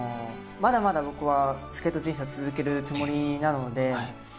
まだまだ僕はスケート人生を続けるつもりなので。